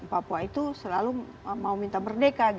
papua itu selalu mau minta merdeka